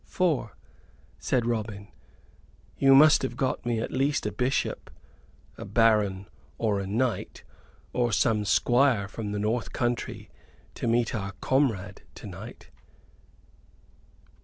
"For," said Robin, "you must have got me at least a bishop, a baron, or a knight, or some squire from the north country, to meet our new comrade to night."